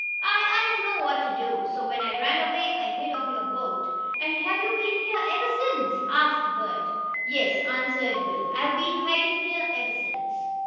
I I didn't know what to do, so when I ran away, I hid on your boat." "And have you been here ever since?" asked Bert. "Yes," answered Will. "I've been hiding here ever since."